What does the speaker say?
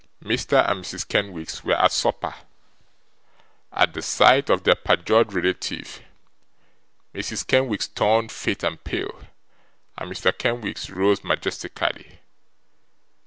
Mr. and Mrs. Kenwigs were at supper. At sight of their perjured relative, Mrs Kenwigs turned faint and pale, and Mr. Kenwigs rose majestically.